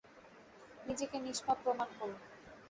নিজেকে নিষ্পাপ প্রমান করুন।